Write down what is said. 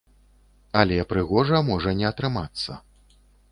Але прыгожа можа не атрымацца.